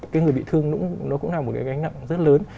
cái người bị thương nó cũng là một cái gánh nặng rất lớn